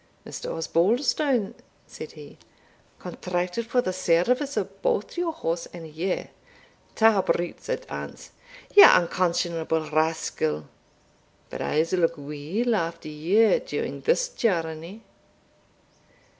"Mr. Osbaldistone," said he, "contracted for the service of both your horse and you twa brutes at ance ye unconscionable rascal! but I'se look weel after you during this journey."